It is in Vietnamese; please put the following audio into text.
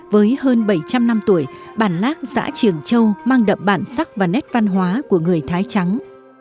với hơn bảy trăm linh năm tuổi bản lác giã trường châu mang đậm bản sắc và nét văn hóa của người thái trắng